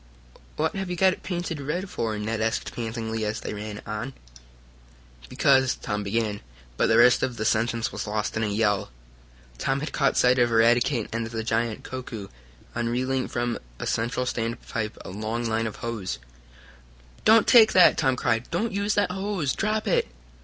"What have you got it painted red for?" Ned asked pantingly, as they ran on. "Because " Tom began, but the rest of the sentence was lost in a yell. Tom had caught sight of Eradicate and the giant, Koku, unreeling from a central standpipe a long line of hose. "Don't take that!" Tom cried. "Don't use that hose! Drop it!"